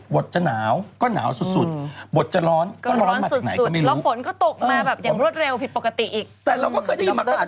พี่อาจจะน้ำทั่วโรคเลย